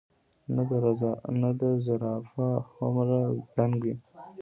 نۀ د زرافه هومره دنګ وي ،